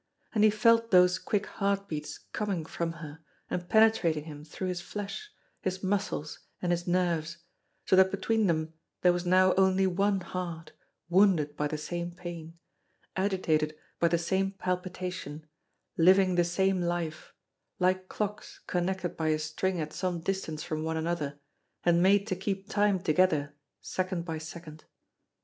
And he felt those quick heart beats coming from her and penetrating him through his flesh, his muscles, and his nerves, so that between them there was now only one heart wounded by the same pain, agitated by the same palpitation, living the same life, like clocks connected by a string at some distance from one another and made to keep time together second by second.